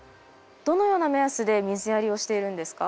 どのような目安で水やりをしているんですか？